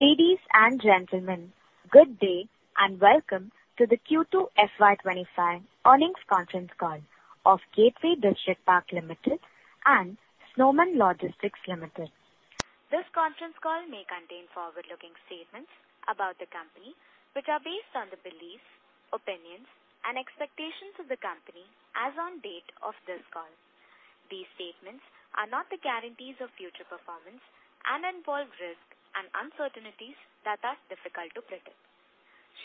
Ladies and gentlemen, good day and welcome to the Q2 FY2025 earnings conference call of Gateway Distriparks Ltd and Snowman Logistics Ltd. This conference call may contain forward-looking statements about the company, which are based on the beliefs, opinions, and expectations of the company as on date of this call. These statements are not the guarantees of future performance and involve risks and uncertainties that are difficult to predict.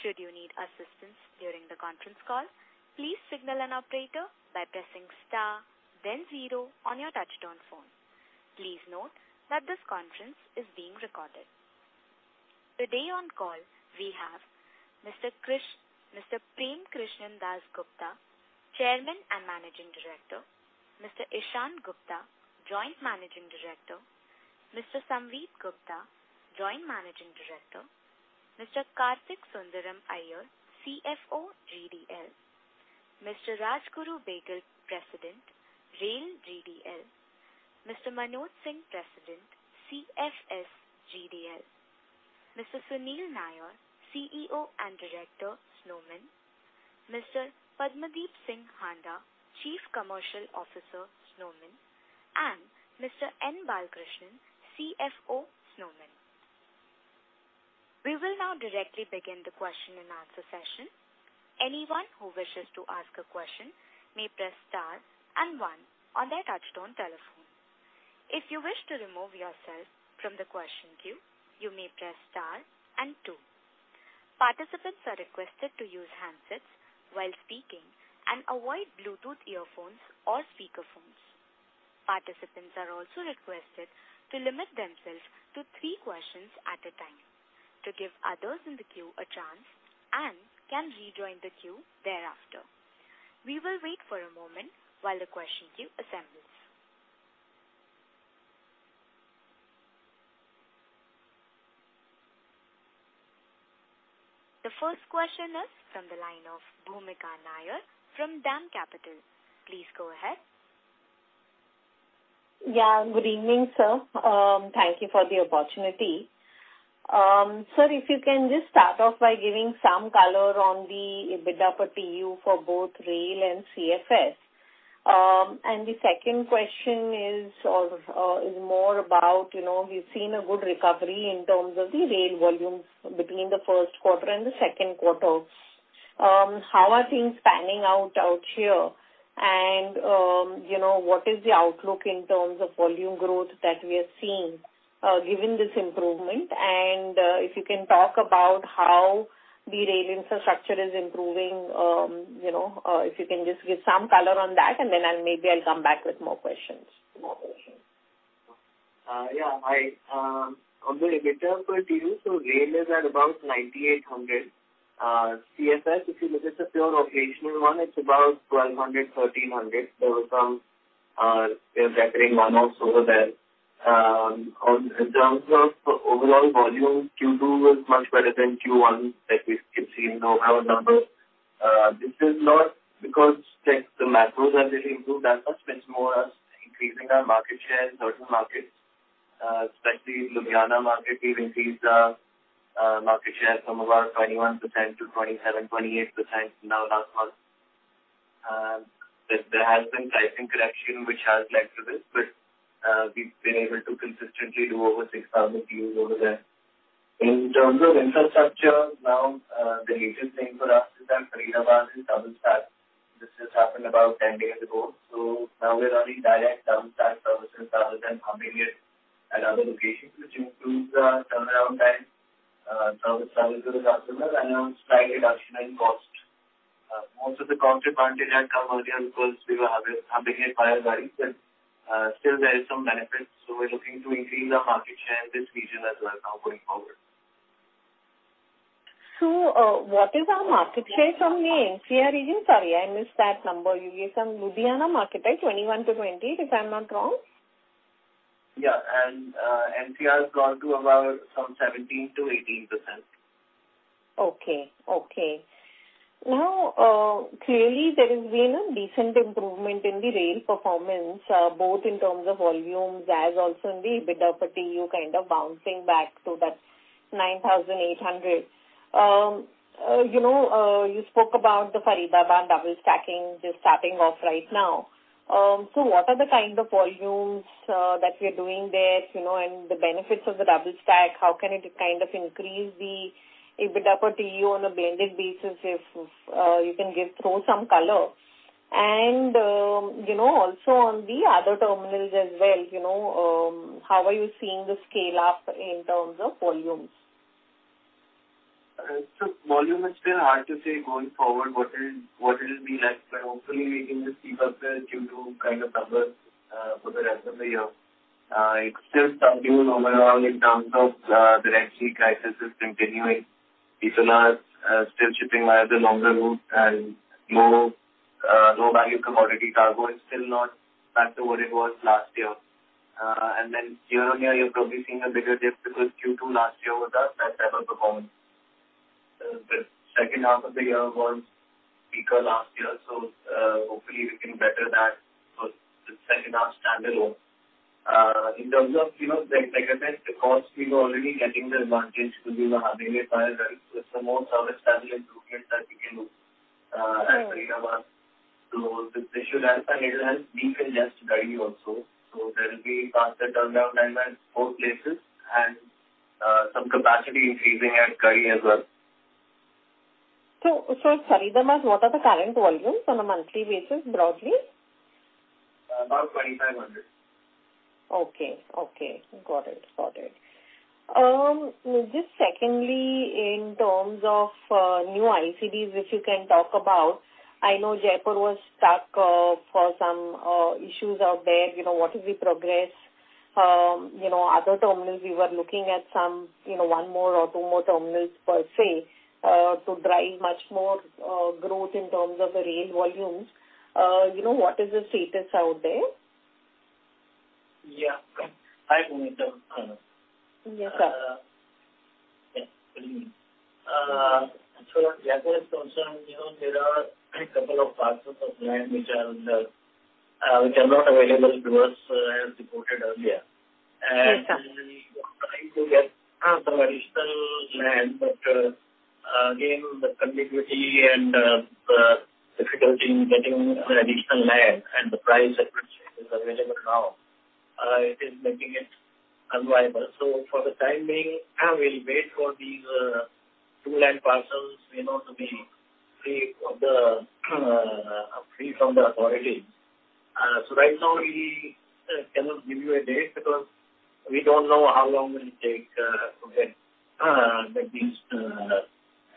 Should you need assistance during the conference call, please signal an operator by pressing star, then zero on your touch-tone phone. Please note that this conference is being recorded. Today on call, we have Mr. Prem Kishan Dass Gupta, Chairman and Managing Director, Mr. Ishan Gupta, Joint Managing Director, Mr. Samvid Gupta, Joint Managing Director, Mr. Kartik S. Iyer, CFO, GDL, Mr. Rajguru Behgal, President, Rail, GDL, Mr. Manoj Singh, President, CFS, GDL, Mr. Sunil Nair, CEO and Director, Snowman, Mr. Padamdeep Singh Handa, Chief Commercial Officer, Snowman, and Mr. N. Balakrishnan, CFO, Snowman. We will now directly begin the question and answer session. Anyone who wishes to ask a question may press star and one on their touch-tone telephone. If you wish to remove yourself from the question queue, you may press star and two. Participants are requested to use handsets while speaking and avoid Bluetooth earphones or speakerphones. Participants are also requested to limit themselves to three questions at a time to give others in the queue a chance and can rejoin the queue thereafter. We will wait for a moment while the question queue assembles. The first question is from the line of Bhoomika Nair from DAM Capital. Please go ahead. Yeah, good evening, sir. Thank you for the opportunity. Sir, if you can just start off by giving some color on the EBITDA per TEU for both Rail and CFS. And the second question is more about we've seen a good recovery in terms of the rail volume between the first quarter and the second quarter. How are things panning out here? And what is the outlook in terms of volume growth that we are seeing given this improvement? And if you can talk about how the rail infrastructure is improving, if you can just give some color on that, and then maybe I'll come back with more questions. Yeah, on the EBITDA per TEU, so rail is at about 9,800. CFS, if you look at the pure operational one, it's about 1,200-1,300. There were some recurring one-offs over there. In terms of overall volume, Q2 was much better than Q1 that we've seen overall numbers. This is not because the macros are getting improved that much, but it's more us increasing our market share in certain markets, especially in the Ludhiana market. We've increased our market share from about 21% to 27-28% now last month. There has been pricing correction, which has led to this, but we've been able to consistently do over 6,000 TEUs over there. In terms of infrastructure, now the latest thing for us is that Faridabad is double-stacked. This just happened about 10 days ago. So now we're running direct double-stacked services rather than pumping it at other locations, which improves our turnaround time, service levels to the customer, and a slight reduction in cost. Most of the cost advantage had come earlier because we were having it via RISE, but still there are some benefits. So we're looking to increase our market share in this region as well now going forward. So what is our market share from the NCR region? Sorry, I missed that number. You gave some Ludhiana market, right? 21%-28%, if I'm not wrong? Yeah, and NCR has gone to about some 17%-18%. Okay. Okay. Now, clearly, there has been a decent improvement in the rail performance, both in terms of volumes as also in the EBITDA per TEU kind of bouncing back to that 9,800. You spoke about the Faridabad double-stacking just starting off right now. So what are the kind of volumes that we're doing there and the benefits of the double-stack? How can it kind of increase the EBITDA per TEU on a blended basis if you can throw some color? And also on the other terminals as well, how are you seeing the scale-up in terms of volumes? So volume is still hard to say going forward what it will be like, but hopefully we can just keep up the Q2 kind of numbers for the rest of the year. It's still starting to move around in terms of the Red Sea crisis is continuing. The tonnage is still shipping via the longer route, and low-value commodity cargo is still not back to what it was last year. And then year on year, you're probably seeing a bigger dip because Q2 last year was a bad-timer performance. The second half of the year was weaker last year, so hopefully we can better that for the second half standalone. In terms of, like I said, the cost we were already getting the advantage because we were having it via RISE, so it's a more service-heavy improvement that we can do at Faridabad. So this issue ramping up will help decongest Garhi Harsaru also. So there will be faster turnaround time at both places and some capacity increasing at Garhi Harsaru as well. Faridabad, what are the current volumes on a monthly basis broadly? About 2,500. Okay. Got it. Just secondly, in terms of new ICDs, if you can talk about, I know Jaipur was stuck for some issues out there. What is the progress? Other terminals, we were looking at one more or two more terminals per se to drive much more growth in terms of the rail volumes. What is the status out there? Yeah. Hi, Bhoomika. Yes, sir. Yeah, good evening. So, as far as Jaipur is concerned, there are a couple of parcels of land which are not available to us, as reported earlier. And we're trying to get some additional land, but again, the connectivity and the difficulty in getting additional land and the price at which it is available now, it is making it unviable. So for the time being, we'll wait for these two land parcels to be freed from the authorities. So right now, we cannot give you a date because we don't know how long it will take to get these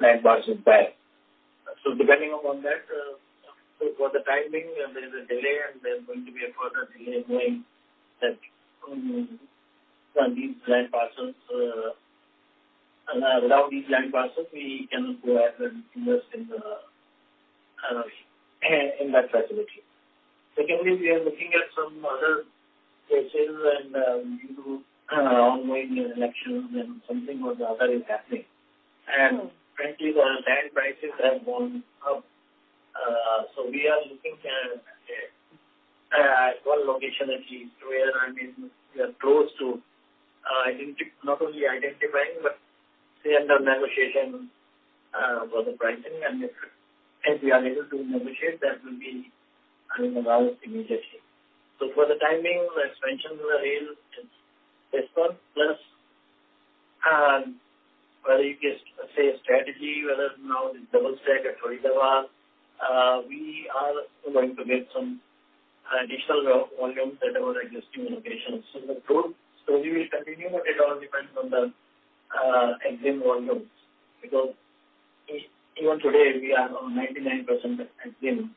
land parcels back. So depending upon that, for the time being, there's a delay, and there's going to be a further delay knowing that without these land parcels, we cannot go ahead and invest in that facility. Secondly, we are looking at some other places, and due to ongoing elections and something or the other is happening. And currently, the land prices have gone up. So we are looking at one location at least where we are close to not only identifying but still in the negotiation for the pricing. And if we are able to negotiate, that will be in our immediate reach. So for the time being, the expansion of the rail is this one, plus whether you can say a strategy, whether now it's double-stacked at Faridabad, we are going to get some additional volumes at our existing locations. So we will continue, but it all depends on the exim volumes because even today, we are on 99% exim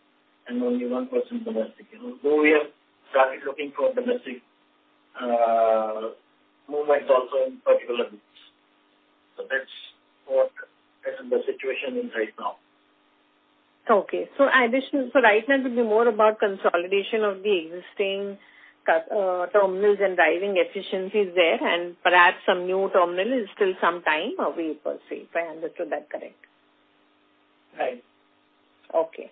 and only 1% domestic. Although we have started looking for domestic movements also in particular routes. So that's what the situation is right now. Okay, so right now, it will be more about consolidation of the existing terminals and driving efficiencies there, and perhaps some new terminal is still some time away, per se, if I understood that correct. Right. Okay,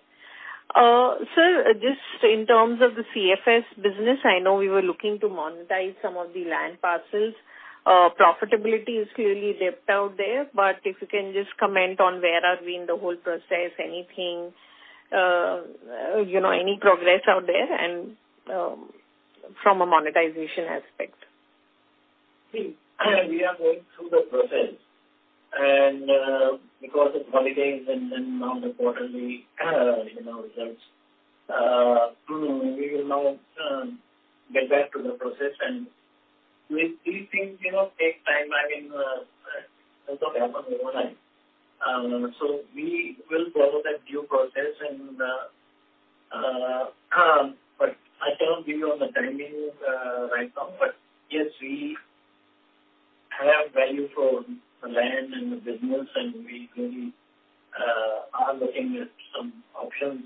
so just in terms of the CFS business, I know we were looking to monetize some of the land parcels. Profitability is clearly dipped out there, but if you can just comment on where are we in the whole process, any progress out there from a monetization aspect? We are going through the process. And because it's holidays and now the quarterly results, we will now get back to the process. And these things take time. I mean, it doesn't happen overnight. So we will follow that due process. But I cannot give you on the timing right now, but yes, we have value for the land and the business, and we really are looking at some options.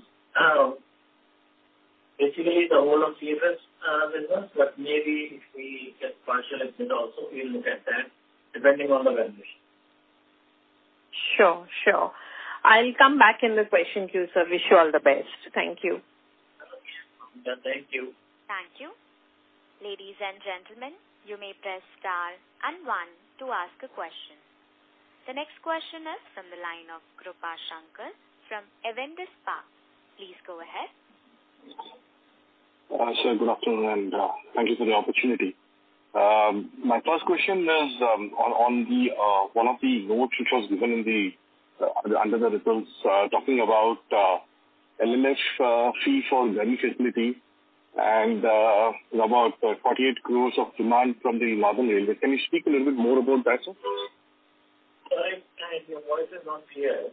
Basically, the whole of CFS business, but maybe if we get partial exit also, we'll look at that depending on the valuation. Sure. Sure. I'll come back in the question queue, sir. Wish you all the best. Thank you. Okay. Thank you. Thank you. Ladies and gentlemen, you may press star and one to ask a question. The next question is from the line of Krupashankar from Avendus Spark. Please go ahead. Sir, good afternoon, and thank you for the opportunity. My first question is on one of the notes which was given under the results talking about LLF fee for the facility and about 48 crores of demand from the Northern Railway. Can you speak a little bit more about that, sir? Sorry, your voice is not clear.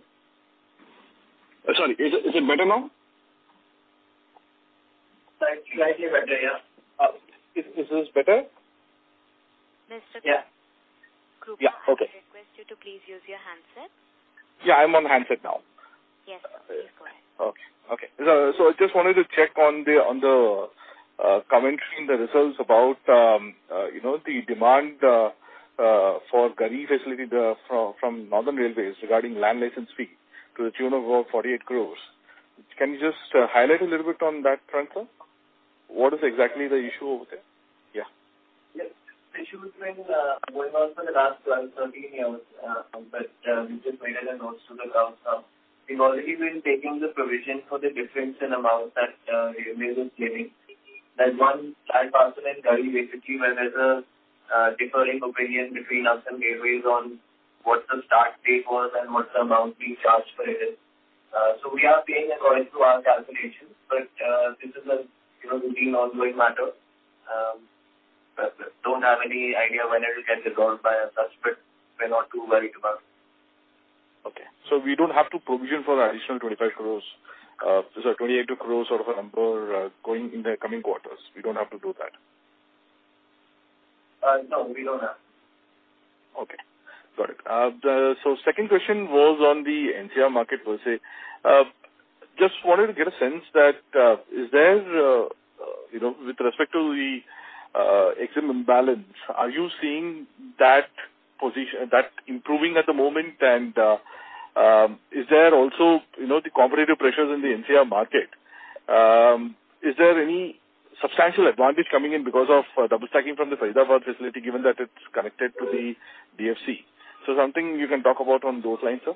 Sorry, is it better now? Slightly better, yeah. Is this better? Mr. Gupta, I request you to please use your handset. Yeah, I'm on handset now. Yes, please go ahead. Okay. Okay. So I just wanted to check on the commentary in the results about the demand for Garhi Harsaru facility from Northern Railway regarding land license fee to the tune of about 48 crores. Can you just highlight a little bit on that front, sir? What is exactly the issue over there? Yeah. Yes. The issue has been going on for the last 12, 13 years, but we've just waited and noted it to the grounds now. We've already been taking the provision for the difference in amount that Railways is giving. That one land parcel in Garhi Harsaru basically where there's a differing opinion between us and Railways on what the start date was and what the amount we charge for it is. So we are paying according to our calculations, but this is a routine ongoing matter. Don't have any idea when it will get resolved by as such, but we're not too worried about it. Okay. So we don't have to provision for additional 25 crores, sorry, 28 crores sort of a number going in the coming quarters. We don't have to do that. No, we don't have. Okay. Got it. So second question was on the NCR market per se. Just wanted to get a sense that is there, with respect to the EXIM balance, are you seeing that improving at the moment? And is there also the competitive pressures in the NCR market? Is there any substantial advantage coming in because of double-stacking from the Faridabad facility given that it's connected to the DFC? So something you can talk about on those lines, sir?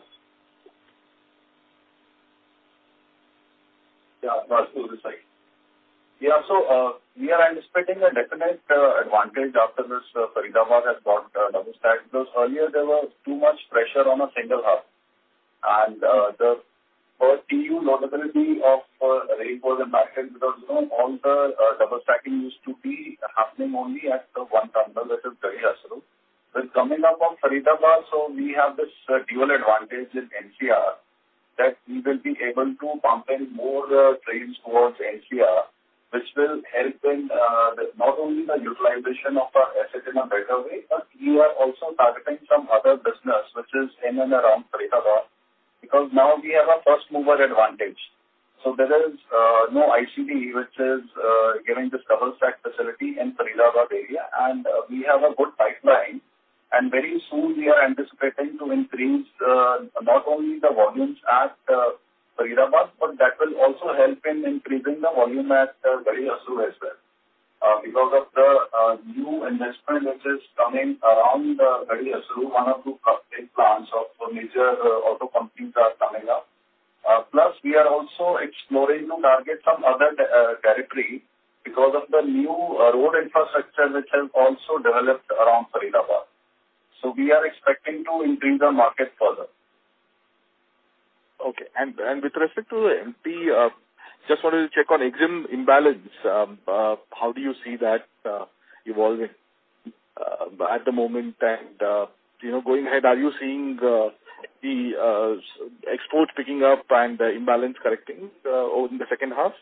Yeah, of course. Yeah, so we are anticipating a definite advantage after this Faridabad has got double-stacked because earlier, there was too much pressure on a single hub. And the per TEU profitability in NCR market because all the double-stacking used to be happening only at the one terminal, which is Garhi Harsaru. With coming up of Faridabad, so we have this dual advantage in NCR that we will be able to pump in more trains towards NCR, which will help in not only the utilization of our asset in a better way, but we are also targeting some other business, which is in and around Faridabad because now we have a first-mover advantage. So there is no ICD which is giving this double-stacked facility in Faridabad area, and we have a good pipeline. And very soon, we are anticipating to increase not only the volumes at Faridabad, but that will also help in increasing the volume at Garhi Harsaru as well because of the new investment which is coming around Garhi Harsaru. One of the big plants of major auto companies are coming up. Plus, we are also exploring to target some other territory because of the new road infrastructure which has also developed around Faridabad. So we are expecting to increase the market further. Okay. And with respect to the market, just wanted to check on EXIM imbalance. How do you see that evolving at the moment? And going ahead, are you seeing the export picking up and the imbalance correcting in the second half?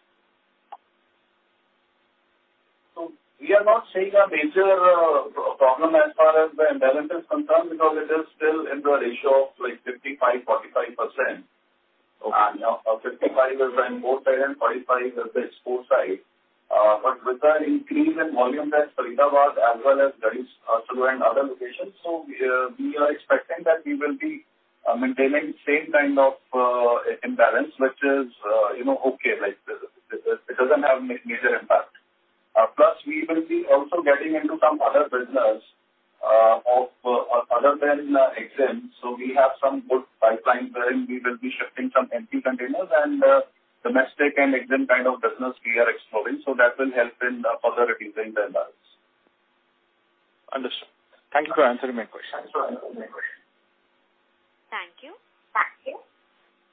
We are not seeing a major problem as far as the imbalance is concerned because it is still in the ratio of like 55-45%. 55 is on both sides, and 45 is the export side. With the increase in volume that Faridabad as well as Garhi Harsaru and other locations, we are expecting that we will be maintaining the same kind of imbalance, which is okay. It doesn't have major impact. Plus, we will be also getting into some other business other than EXIM. We have some good pipelines wherein we will be shifting some empty containers and domestic and EXIM kind of business we are exploring. That will help in further reducing the imbalance. Understood. Thank you for answering my question. Thank you.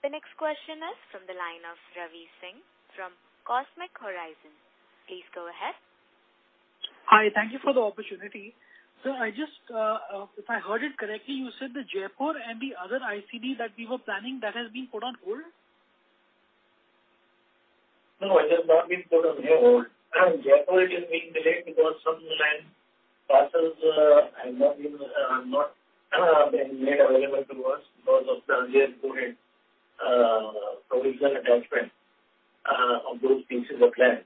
The next question is from the line of Ravi Singh from Cosmic Horizons. Please go ahead. Hi, thank you for the opportunity. Sir, if I heard it correctly, you said the Jaipur and the other ICD that we were planning, that has been put on hold? No, it has not been put on hold. Jaipur has been delayed because some land parcels have not been made available to us because of the Jaipur provisional attachment of those pieces of land.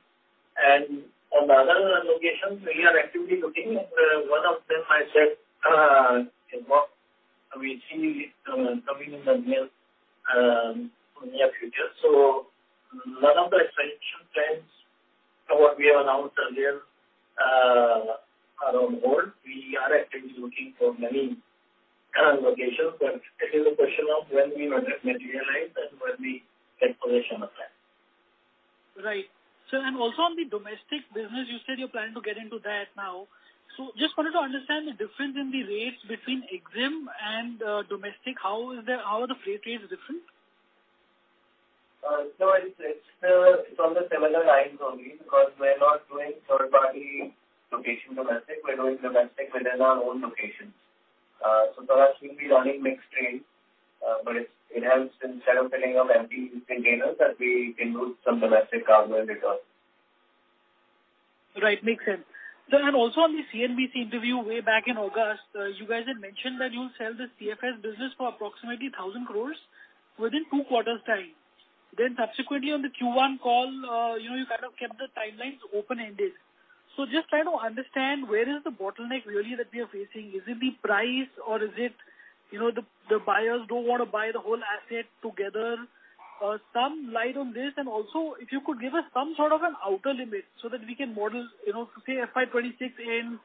And on the other locations, we are actively looking, and one of them I said we see coming in the near future. So none of the expansion plans we have announced earlier are on hold. We are actively looking for many locations, but it is a question of when we will materialize and when we get possession of land. Right. Sir, and also on the domestic business, you said you're planning to get into that now. So just wanted to understand the difference in the rates between EXIM and domestic. How are the freight rates different? Sir, it's on the similar lines only because we're not doing third-party location domestic. We're doing domestic within our own locations. So for us, we'll be running mixed trains, but instead of filling up empty containers, we can do some domestic cargo in return. Right. Makes sense. Sir, and also on the CNBC interview way back in August, you guys had mentioned that you'll sell the CFS business for approximately 1,000 crores within two quarters' time. Then subsequently, on the Q1 call, you kind of kept the timelines open-ended. So just trying to understand where is the bottleneck really that we are facing? Is it the price, or is it the buyers don't want to buy the whole asset together? Some light on this, and also if you could give us some sort of an outer limit so that we can model to say FY2026 end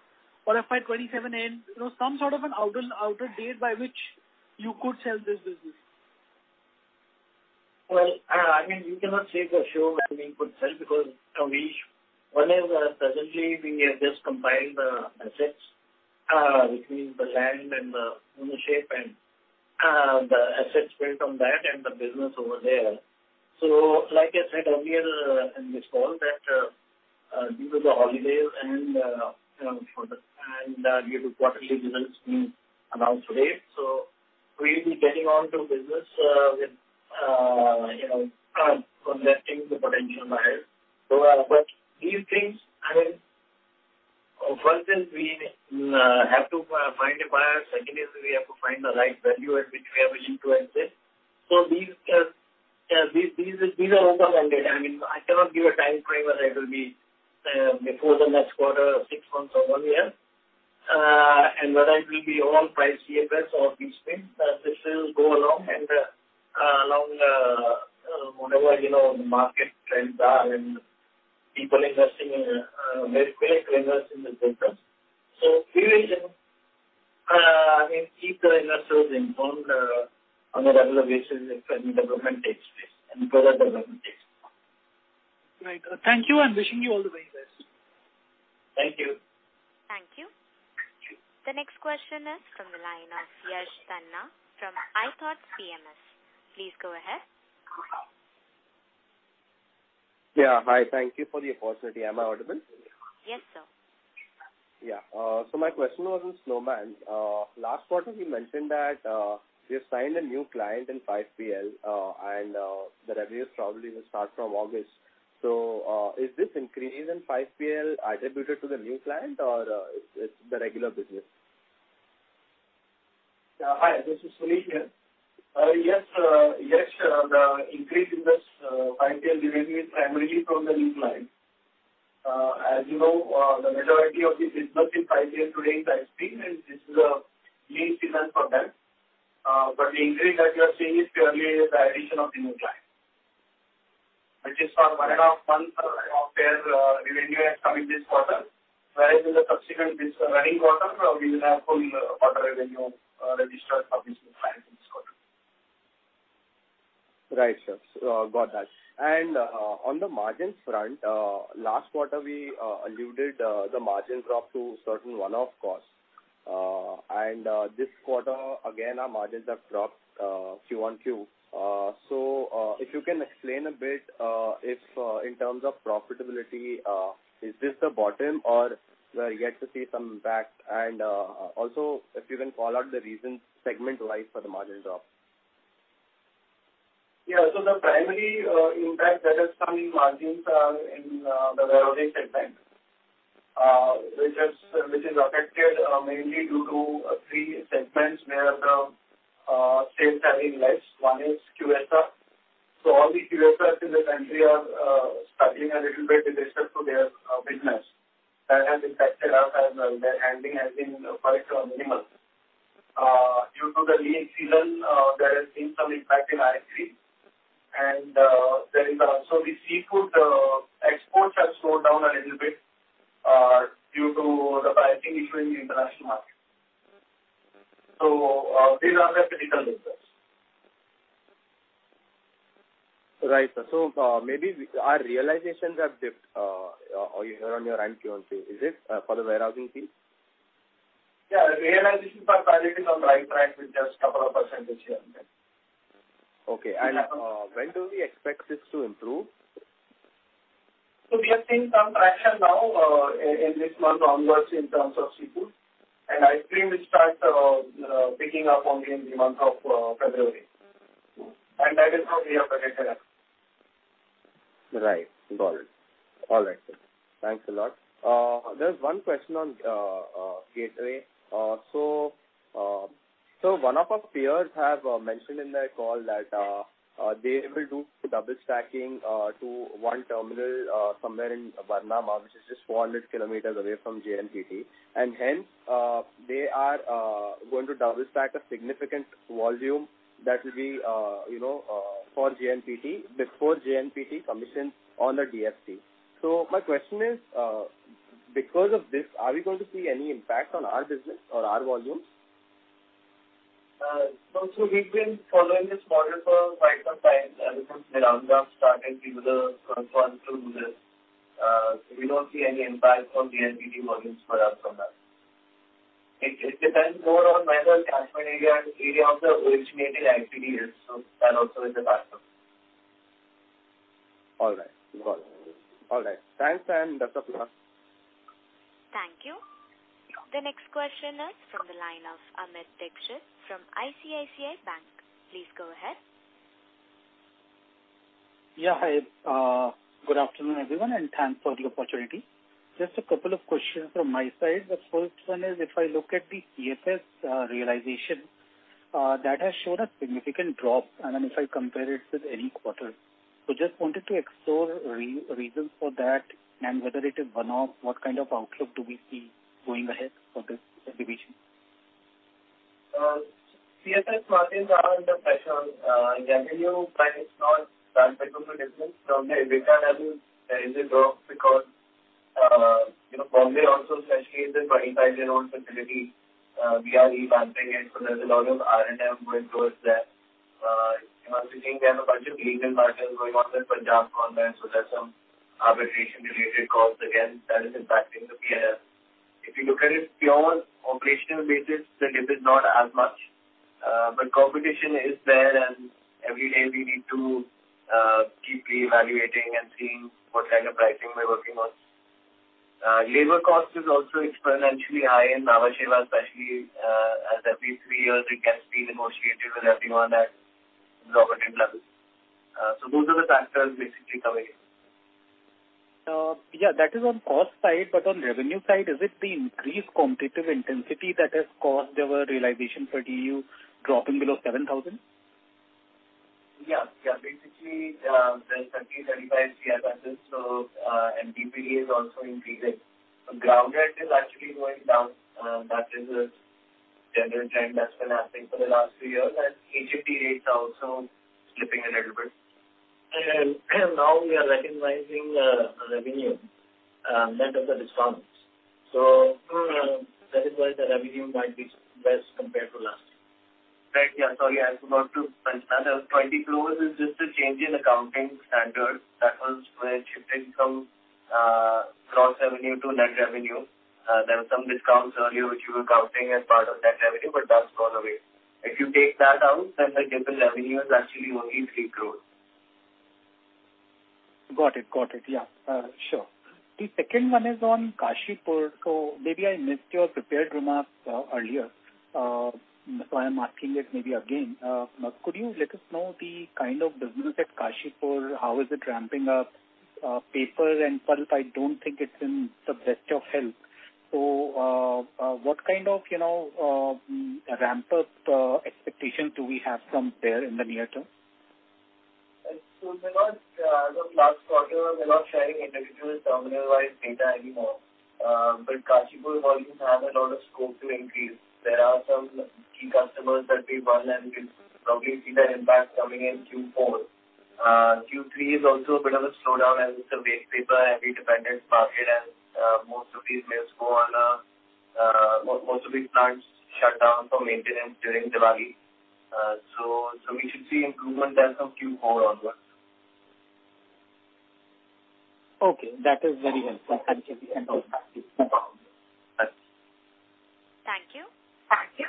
or FY2027 end, some sort of an outer date by which you could sell this business. I mean, we cannot say for sure when we could sell because one is presently, we have just compiled the assets, which means the land and the ownership and the assets built on that and the business over there. So like I said earlier in this call, that due to the holidays and due to quarterly results being announced today, so we'll be getting on to business with investigating the potential buyers. But these things, I mean, first is we have to find a buyer. Second is we have to find the right value at which we are willing to exit. So these are overwhelming. I mean, I cannot give a time frame as it will be before the next quarter or six months or one year. Whether it will be all price CFS or these things, this will go along and along whatever the market trends are and people investing in it, willing to invest in this business. We will keep the investors informed on a regular basis if any development takes place and further development takes place. Right. Thank you. I'm wishing you all the very best. Thank you. Thank you. The next question is from the line of Yash Tanna from iThought. Please go ahead. Yeah. Hi. Thank you for the opportunity. Am I audible? Yes, sir. Yeah. So my question was on Snowman. Last quarter, we mentioned that we have signed a new client in 5PL, and the revenues probably will start from August. So is this increase in 5PL attributed to the new client, or it's the regular business? Hi. This is Sunil here. Yes. Yes. The increase in this 5PL revenue is primarily from the new client. As you know, the majority of the business in 5PL today is ice cream, and this is a lean season for them. But the increase that you are seeing is purely the addition of the new client, which is for one and a half months of their revenue has come in this quarter. Whereas in the subsequent running quarter, we will have full quarter revenue registered for this new client in this quarter. Right, sir. Got that. And on the margin front, last quarter, we alluded to the margin drop to a certain one-off cost. And this quarter, again, our margins have dropped Q on Q. So if you can explain a bit in terms of profitability, is this the bottom or we're yet to see some impact? And also, if you can call out the reasons segment-wise for the margin drop. Yeah. So the primary impact that has come in margins are in the warehousing segment, which is affected mainly due to three segments where the sales have been less. One is QSR. So all the QSRs in the country are struggling a little bit with respect to their business. That has impacted us as well. Their handling has been quite minimal. Due to the lean season, there has been some impact in ICDs. And there is also the seafood exports have slowed down a little bit due to the pricing issue in the international market. So these are the critical reasons. Right. So maybe our realizations have dipped here on your rail Q and Q. Is it for the warehousing fee? Yeah. The realizations are on the right track with just a couple of % this year. Okay. And when do we expect this to improve? So we have seen some traction now in this month onwards in terms of seafood. And ice cream will start picking up only in the month of February. And that is what we are projecting up. Right. Got it. All right. Thanks a lot. There's one question on Gateway. So one of our peers has mentioned in their call that they will do double-stacking to one terminal somewhere in Varnama, which is just 400 kilometers away from JNPT. And hence, they are going to double-stack a significant volume that will be for JNPT before JNPT commissions on the DFC. So my question is, because of this, are we going to see any impact on our business or our volumes? We've been following this model for quite some time since Varnama started with the first one to do this. We don't see any impact on JNPT volumes for us from that. It depends more on where the catchment area of the originating ICD is. That also is a factor. All right. Got it. All right. Thanks, and that's all from us. Thank you. The next question is from the line of Amit Dixit from ICICI Bank. Please go ahead. Yeah. Hi. Good afternoon, everyone, and thanks for the opportunity. Just a couple of questions from my side. The first one is, if I look at the CFS realization, that has shown a significant drop, and then if I compare it with any quarter, I just wanted to explore reasons for that and whether it is one-off, what kind of outlook do we see going ahead for this division? CFS margins are under pressure in revenue, but it's not transfers to business. So the EBITDA value is a drop because Mumbai also is a 25-year-old facility. We are revamping it. So there's a lot of R&M going towards there. You must be seeing there's a bunch of legal matters going on with Punjab government. So there's some arbitration-related costs. Again, that is impacting the P&L. If you look at it on a pure operational basis, the dip is not as much. But competition is there, and every day we need to keep re-evaluating and seeing what kind of pricing we're working on. Labor cost is also exponentially high in Nhava Sheva, especially as every three years, it gets renegotiated with everyone at the operating level. So those are the factors basically covering. Yeah. That is on cost side. But on revenue side, is it the increased competitive intensity that has caused your realization for TEU dropping below 7,000? Yeah. Yeah. Basically, there's 30-35 CFSs. So DPD is also increasing. So ground rent is actually going down. That is a general trend that's been happening for the last few years. And H&T rates are also slipping a little bit. And now we are recognizing the revenue. That is the discounts. So that is where the revenue might be less compared to last year. Right. Yeah. Sorry. I forgot to mention that. There was 20 crore loss is just a change in accounting standard. That was where it shifted from gross revenue to net revenue. There were some discounts earlier which we were counting as part of net revenue, but that's gone away. If you take that out, then the total revenue is actually only 3 crores. Got it. Got it. Yeah. Sure. The second one is on Kashipur. So maybe I missed your prepared remarks earlier. So I'm asking it maybe again. Could you let us know the kind of business at Kashipur? How is it ramping up? Paper and pulp, I don't think it's in the best of health. So what kind of ramp-up expectations do we have from there in the near term? We're not, as of last quarter, we're not sharing individual terminal-wise data anymore. But Kashipur volumes have a lot of scope to increase. There are some key customers that we've won and we'll probably see that impact coming in Q4. Q3 is also a bit of a slowdown as it's a waste paper dependent market. Every dependent market has most of these mills go on annual maintenance. Most of these plants shut down for maintenance during Diwali. So we should see improvement as of Q4 onwards. Okay. That is very helpful. Thank you. Thank you.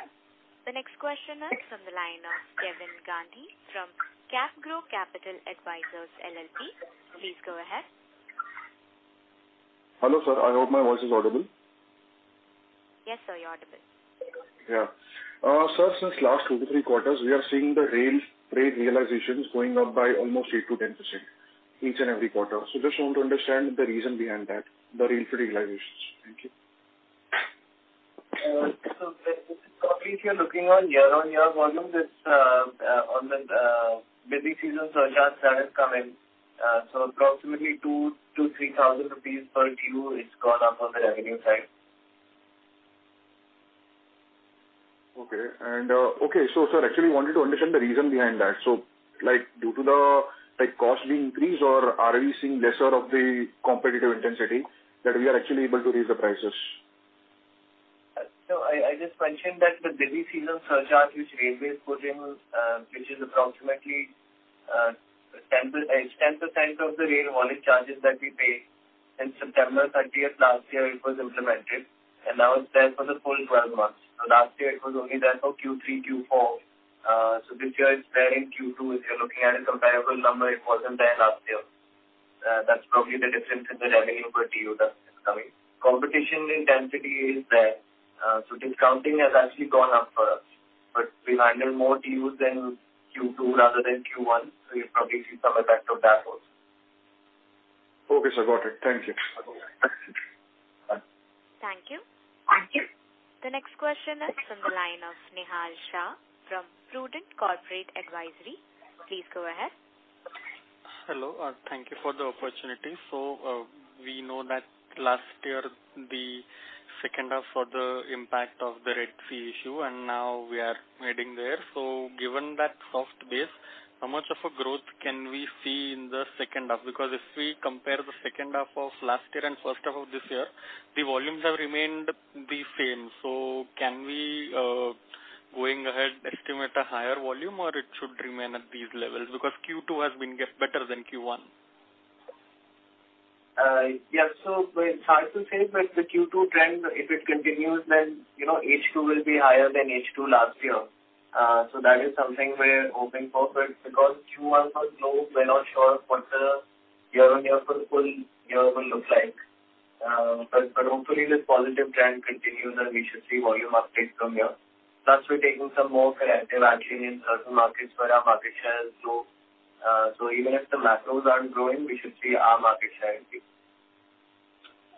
The next question is from the line of `Kevin Gandhi from CapGrow Capital Advisors LLP. Please go ahead. Hello, sir. I hope my voice is audible. Yes, sir. You're audible. Yeah. Sir, since last two to three quarters, we are seeing the rail freight realizations going up by almost 8%-10% each and every quarter, so just want to understand the reason behind that, the rail freight realizations. Thank you. If you're looking on year-on-year volume, it's on the busy season, so adjustment that has come in. Approximately 2,000-3,000 rupees per TEU has gone up on the revenue side. So, sir, actually, I wanted to understand the reason behind that. So due to the cost being increased or are we seeing lesser of the competitive intensity that we are actually able to raise the prices? So I just mentioned that the busy season surcharge which railways put in, which is approximately 10% of the rail volume charges that we pay since September 30th last year, it was implemented. And now it's there for the full 12 months. So last year, it was only there for Q3, Q4. So this year, it's there in Q2. If you're looking at a comparable number, it wasn't there last year. That's probably the difference in the revenue per TEU that's coming. Competition intensity is there. So discounting has actually gone up for us. But we've handled more TEUs than Q2 rather than Q1. So you'll probably see some effect of that also. Okay. So, got it. Thank you. Thank you. Thank you. The next question is from the line of Nihal Shah from Prudent Corporate Advisory. Please go ahead. Hello. Thank you for the opportunity. So we know that last year, the second half saw the impact of the Red Sea issue, and now we are heading there. So given that soft base, how much of a growth can we see in the second half? Because if we compare the second half of last year and first half of this year, the volumes have remained the same. So can we, going ahead, estimate a higher volume, or it should remain at these levels? Because Q2 has been better than Q1. Yeah. So it's hard to say, but the Q2 trend, if it continues, then H2 will be higher than H2 last year. So that is something we're hoping for. But because Q1 was low, we're not sure what the year-on-year for the full year will look like. But hopefully, this positive trend continues, and we should see volume updates from here. Plus, we're taking some more corrective action in certain markets where our market share is low. So even if the macros aren't growing, we should see our market share increase.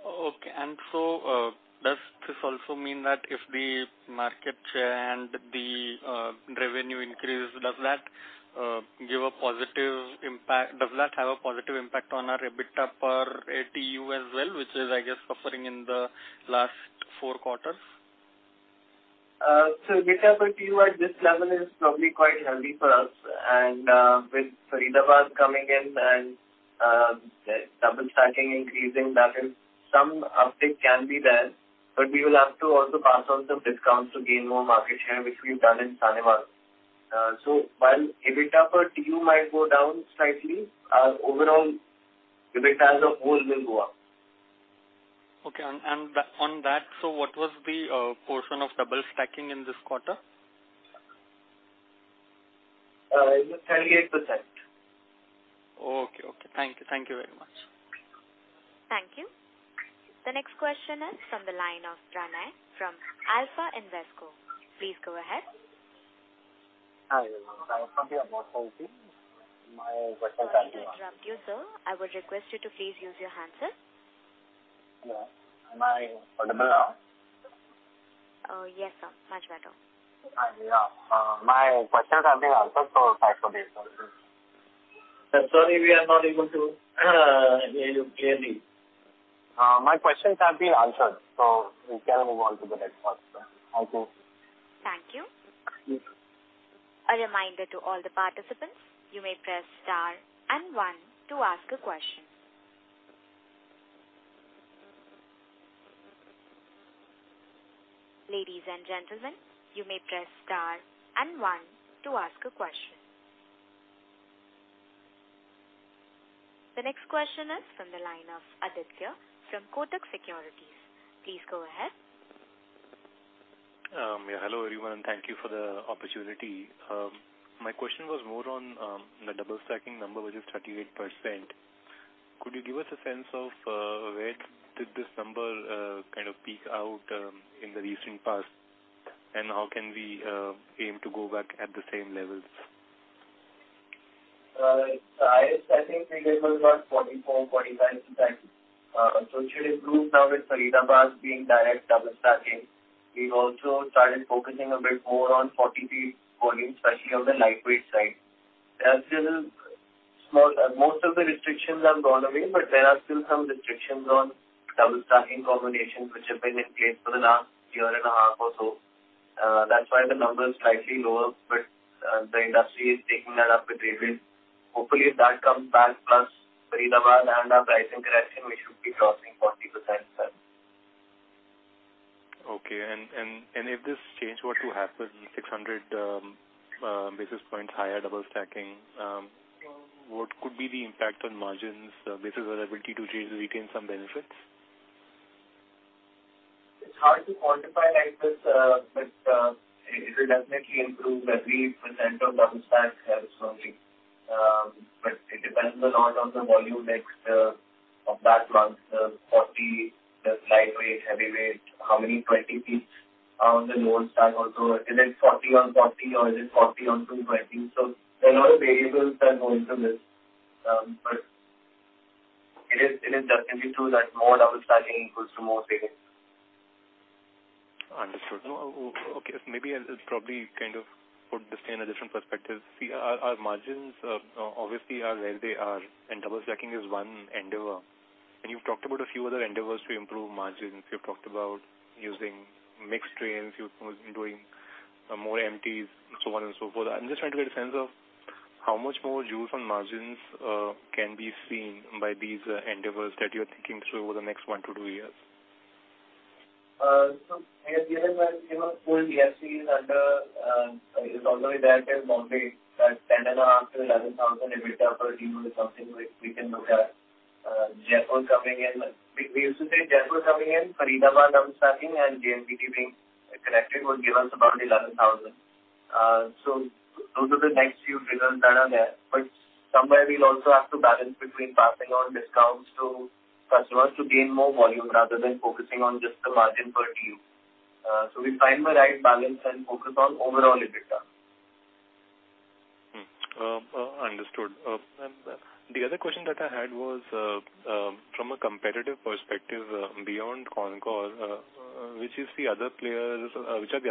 Okay, and so does this also mean that if the market share and the revenue increase, does that give a positive impact? Does that have a positive impact on our EBITDA per TEU as well, which is, I guess, suffering in the last four quarters? So EBITDA per TEU at this level is probably quite healthy for us. And with Faridabad coming in and double-stacking increasing, that is some uptick can be there. But we will have to also pass on some discounts to gain more market share, which we've done in Sahnewal. So while EBITDA per TEU might go down slightly, overall, EBITDA as a whole will go up. Okay. And on that, so what was the portion of double-stacking in this quarter? It was 38%. Okay. Okay. Thank you. Thank you very much. Thank you. The next question is from the line of Pranay from Alpha Invesco. Please go ahead. Hi. I'm from the advisory. My question is asking. You've been interrupted, sir. I would request you to please use your handset. Yeah. Am I audible now? Yes, sir. Much better. Yeah. My questions have been answered, so thanks for the information. Sorry, we are not able to hear you clearly. My questions have been answered, so we can move on to the next one. Thank you. Thank you. A reminder to all the participants, you may press star and one to ask a question. Ladies and gentlemen, you may press star and one to ask a question. The next question is from the line of Aditya from Kotak Securities. Please go ahead. Yeah. Hello, everyone, and thank you for the opportunity. My question was more on the double-stacking number, which is 38%. Could you give us a sense of where did this number kind of peak out in the recent past, and how can we aim to go back at the same levels? So I think we were about 44-45%. So it should improve now with Faridabad being direct double-stacking. We've also started focusing a bit more on TEU volume, especially on the lightweight side. There are still most of the restrictions have gone away, but there are still some restrictions on double-stacking combinations, which have been in place for the last year and a half or so. That's why the number is slightly lower, but the industry is taking that up with rates. Hopefully, if that comes back, plus Faridabad and our pricing correction, we should be crossing 40%. Okay. And if this change were to happen, 600 basis points higher double-stacking, what could be the impact on margins, basis availability to retain some benefits? It's hard to quantify like this, but it will definitely improve every % of double-stacked loads only. But it depends a lot on the volume mix of that plant, the 40, the lightweight, heavyweight, how many 20 feet are on the lower stack also. Is it 40 on 40, or is it 40 on 20? So there are a lot of variables that go into this. But it is definitely true that more double-stacking equals to more savings. Understood. Okay. Maybe I'll probably kind of put this in a different perspective. See, our margins obviously are where they are, and double-stacking is one endeavor. And you've talked about a few other endeavors to improve margins. You've talked about using mixed trains, doing more MTs, so on and so forth. I'm just trying to get a sense of how much more upside on margins can be seen by these endeavors that you're thinking through over the next one to two years. So at the end, the whole DFC is already there till Mumbai. That 10.5-11,000 EBITDA per TU is something we can look at. Jaipur coming in. We used to say Jaipur coming in, Faridabad double-stacking, and JNPT being connected would give us about 11,000. So those are the next few drivers that are there. But somewhere, we'll also have to balance between passing on discounts to customers to gain more volume rather than focusing on just the margin per TU. So we find the right balance and focus on overall EBITDA. Understood. And the other question that I had was from a competitive perspective beyond Concor, which are the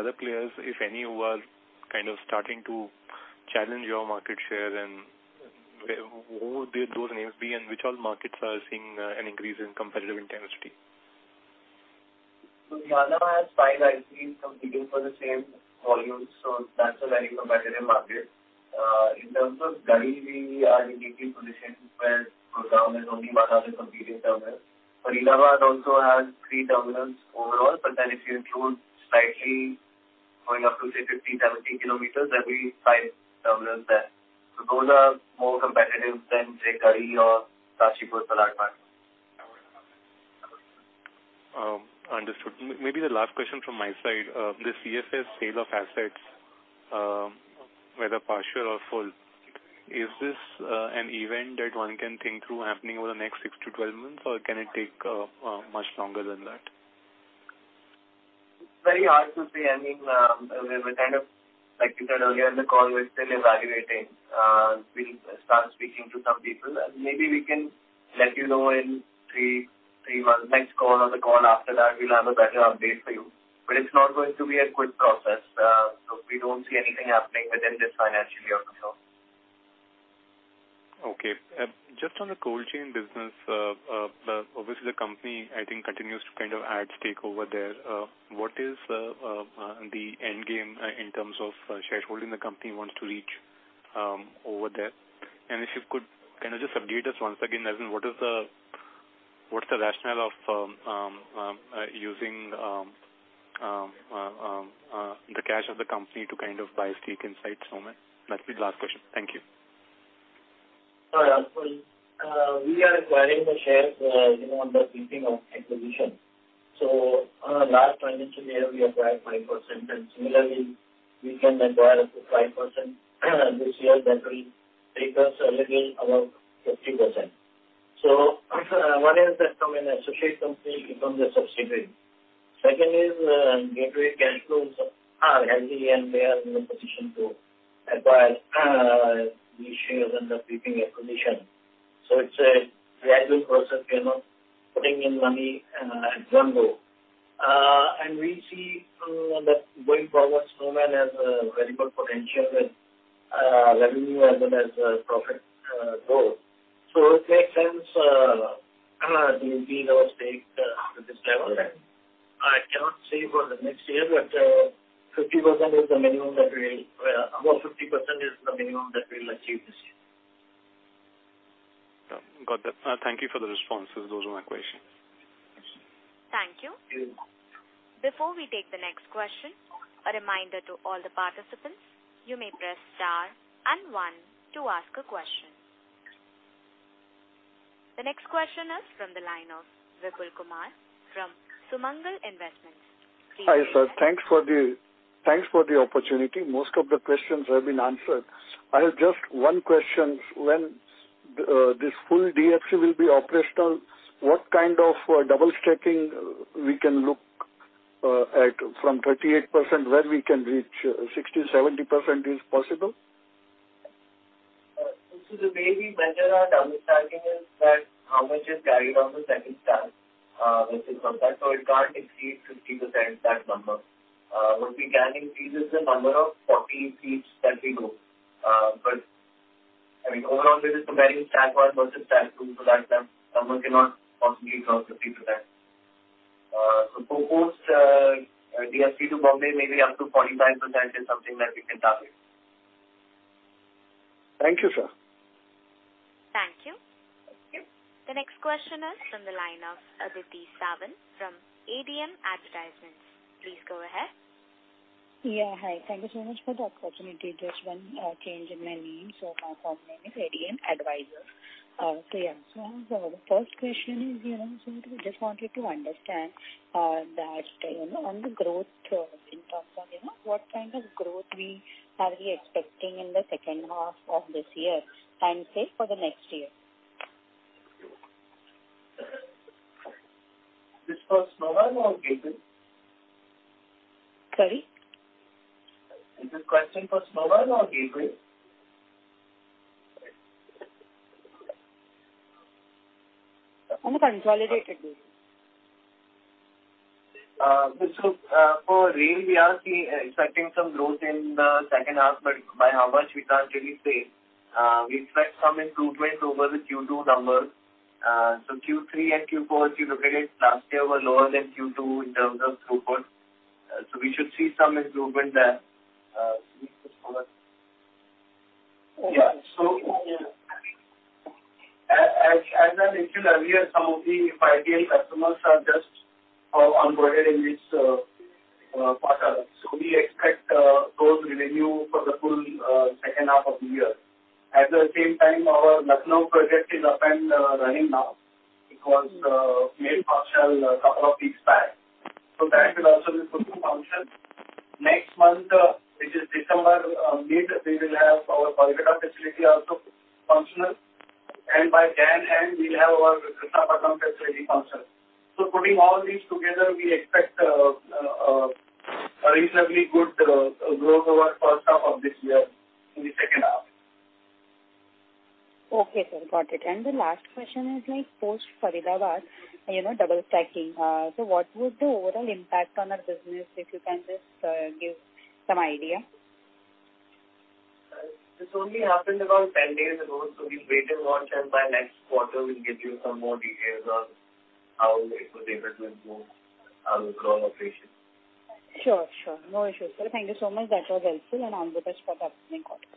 other players, if any, who are kind of starting to challenge your market share, and who would those names be, and which are the markets that are seeing an increase in competitive intensity? Varnama has five ICDs competing for the same volume, so that's a very competitive market. In terms of Garhi, we are in a unique position where Gurgaon is only one other competing terminal. Faridabad also has three terminals overall, but then if you include slightly going up to, say, 50-70 km, there'll be five terminals there. So those are more competitive than, say, Garhi or Kashipur-Palanpur. Understood. Maybe the last question from my side. The CFS sale of assets, whether partial or full, is this an event that one can think through happening over the next 6-12 months, or can it take much longer than that? It's very hard to say. I mean, we're kind of, like you said earlier in the call, we're still evaluating. We'll start speaking to some people, and maybe we can let you know in three months, next call, or the call after that, we'll have a better update for you. But it's not going to be a quick process. So we don't see anything happening within this financial year for sure. Okay. Just on the cold chain business, obviously, the company, I think, continues to kind of add stake over there. What is the end game in terms of shareholding the company wants to reach over there? And if you could kind of just update us once again, as in what is the rationale of using the cash of the company to kind of buy stake inside Snowman? That's the last question. Thank you. Sorry, I'm sorry. We are acquiring the shares on the creeping acquisition. So last financial year, we acquired 5%, and similarly, we can acquire up to 5% this year that will take us a little above 50%. So one is that from an associate company becomes a subsidiary. Second is Gateway cash flows are heavy, and we are in a position to acquire these shares under creeping acquisition. So it's a gradual process, not putting in money at one go. And we see that going forward, Snowman has a very good potential with revenue as well as profit growth. So it makes sense to increase our stake to this level. And I cannot say for the next year, but 50% is the minimum that we'll achieve this year. Got that. Thank you for the responses. Those were my questions. Thank you. Thank you. Before we take the next question, a reminder to all the participants, you may press star and one to ask a question. The next question is from the line of Vipul Kumar from Sumangal Investments. Please go ahead. Hi, sir. Thanks for the opportunity. Most of the questions have been answered. I have just one question. When this full DFC will be operational, what kind of double-stacking we can look at from 38% where we can reach 60%-70% is possible? So the way we measure our double-stacking is that how much is carried on the second stack, basically. So it can't exceed 50%, that number. What we can increase is the number of 40 feet that we do. But I mean, overall, this is comparing stack one versus stack two, so that number cannot possibly cross 50%. So proposed DFC to Bombay may be up to 45% is something that we can target. Thank you, sir. Thank you. The next question is from the line of Aditi Sawant from ADM Advisors. Please go ahead. Yeah. Hi. Thank you so much for the opportunity to just change my name. So my full name is ADM Advisors. So yeah. So the first question is, so we just wanted to understand that on the growth in terms of what kind of growth we are really expecting in the second half of this year and, say, for the next year. This for Snowman or Gateway? Sorry? Is this question for Snowman or Gateway? On the consolidated. So for rail, we are expecting some growth in the second half, but by how much, we can't really say. We expect some improvement over the Q2 number. So Q3 and Q4, if you look at it, last year were lower than Q2 in terms of throughput. So we should see some improvement there. Yeah. So as I mentioned earlier, some of the 5PL customers are just onboarded in this quarter. So we expect those revenue for the full second half of the year. At the same time, our Lucknow project is up and running now. It was made partial a couple of weeks back. So that will also be put to function. Next month, which is December, mid-December, we will have our Kolkata facility also functional. And by the end, we'll have our Krishnapatnam facility functional. So putting all these together, we expect a reasonably good growth over the first half of this year in the second half. Okay, sir. Got it. And the last question is post-Faridabad double-stacking. So what was the overall impact on our business, if you can just give some idea? This only happened about 10 days ago, so we'll wait and watch, and by next quarter, we'll give you some more details on how it was able to improve our overall operation. Sure. Sure. No issues. Thank you so much. That was helpful, and I'll touch upon the next quarter.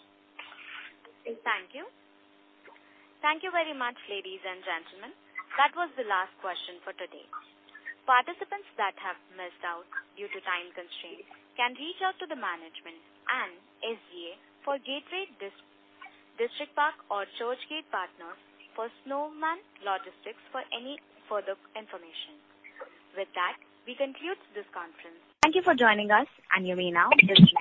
Thank you. Thank you very much, ladies and gentlemen. That was the last question for today. Participants that have missed out due to time constraints can reach out to the management and SGA for Gateway Distriparks or Churchgate Partners for Snowman Logistics for any further information. With that, we conclude this conference. Thank you for joining us, and you may now disconnect.